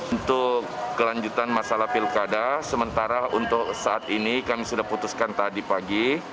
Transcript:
untuk kelanjutan masalah pilkada sementara untuk saat ini kami sudah putuskan tadi pagi